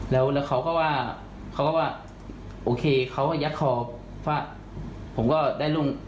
แล้วแล้วเขาก็ว่าเขาก็ว่าโอเคเขาก็ยักษ์ขอเพราะผมก็ได้ลุง